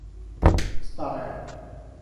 старая